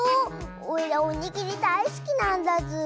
おいらおにぎりだいすきなんだズー。